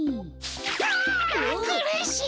ああっくるしい！